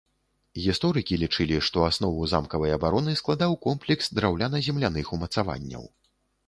Гісторыкі лічылі, што аснову замкавай абароны складаў комплекс драўляна-земляных умацаванняў.